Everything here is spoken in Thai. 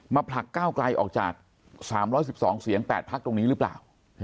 ผลักก้าวไกลออกจาก๓๑๒เสียง๘พักตรงนี้หรือเปล่า